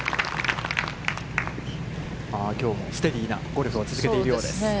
きょうもステディなゴルフを続けているようです。